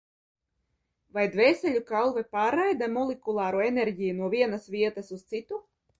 Vai dvēseļu kalve pārraida molekulāro enerģiju no vienas vietas uz citu?